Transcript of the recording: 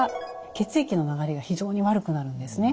血液の流れが非常に悪くなるんですね。